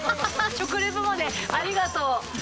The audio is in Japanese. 食レポまでありがとう。